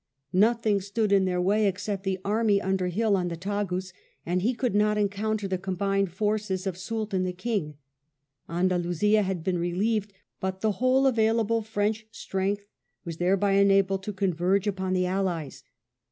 Nothing stood in their way except the army under Hill on the Tagus, and he could not encounter the combined forces of Soult and the King. Andalusia had been relieved, but the whole available French strength was thereby enabled to converge upon the Allies.